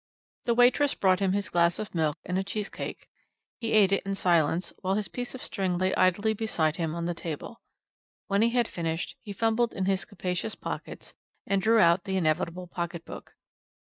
The waitress brought him his glass of milk and a cheese cake. He ate it in silence, while his piece of string lay idly beside him on the table. When he had finished he fumbled in his capacious pockets, and drew out the inevitable pocket book.